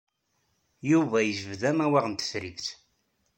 Yuba yejbed amawaɣ n tetribt.